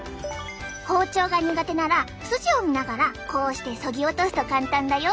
包丁が苦手なら筋を見ながらこうしてそぎ落とすと簡単だよ。